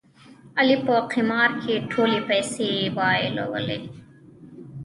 علي په قمار کې ټولې پیسې بایلولې.